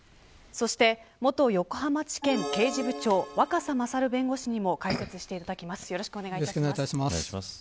そして元横浜地検刑事部長若狭勝弁護士にも解説していただきます。